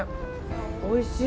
おいしい。